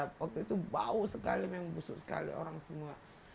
waktu itu bau sekali memang busuk sekali orang semua